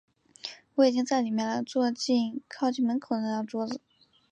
我已经在里面了，坐在靠近门口的那张桌子。